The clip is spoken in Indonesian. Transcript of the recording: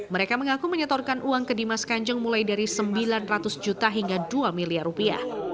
mereka mengaku menyetorkan uang ke dimas kanjeng mulai dari sembilan ratus juta hingga dua miliar rupiah